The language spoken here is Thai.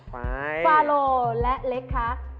ฟาโลและเล็กคะ